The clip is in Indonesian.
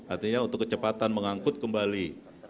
artinya untuk kecepatan mengangkut kembali